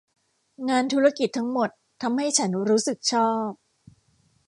งานธุรกิจทั้งหมดทำให้ฉันรู้สึกชอบ